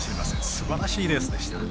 すばらしいレースでした。